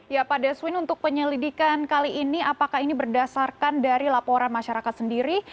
ya pak deswin untuk penyelidikan kali ini apakah ini berdasarkan dari laporan masyarakat sendiri